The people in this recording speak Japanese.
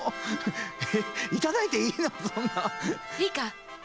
いいか？